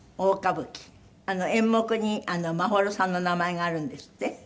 演目に眞秀さんの名前があるんですって？